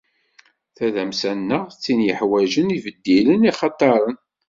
Tadamsa-nneɣ d tin yeḥwaǧen ibeddilen ixataren.